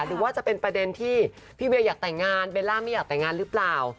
หรือว่าจะเป็นประเด็นที่พี่เวียอยากแต่งงานเบลล่าไม่อยากแต่งงานหรือเปล่า